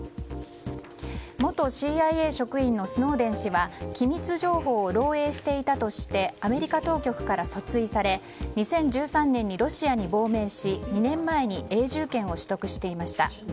元ＣＩＡ職員のスノーデン氏は機密情報を漏洩していたとしてアメリカ当局から訴追され２０１３年にロシアに亡命し２年前に永住権を取得していました。